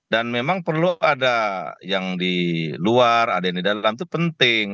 dan memang perlu ada yang di luar ada yang di dalam itu penting